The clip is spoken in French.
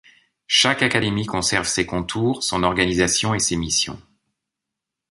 Chaque académie conserve ses contours, son organisation et ses missions.